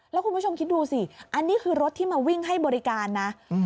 แล้วคุณผู้ชมคิดดูสิอันนี้คือรถที่มาวิ่งให้บริการนะ